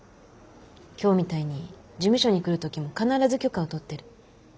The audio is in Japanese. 今日みたいに事務所に来る時も必ず許可を取ってる。